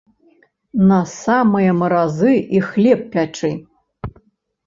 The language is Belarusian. На самыя маразы, і хлеб пячы.